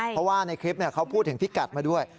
เพราะว่าในคลิปเขาพูดถึงพิกัดมาด้วย